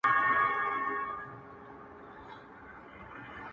چا ویل چي ستا له کوڅې لیري به برباد سمه -